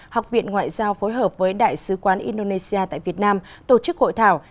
học viện ngoại giao phối hợp với đại sứ quán indonesia tại việt nam tổ chức hội thảo